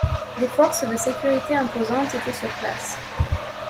Des forces de sécurité imposantes étaient sur place.